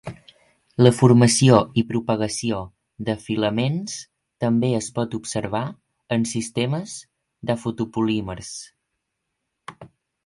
La formació i propagació de filaments també es pot observar en sistemes de foto-polímers.